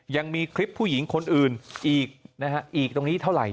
ยังมีคลิปผู้หญิงคนอื่นอีกนะฮะอีกตรงนี้เท่าไหร่